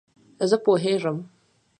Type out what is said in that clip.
زه پوهېږم !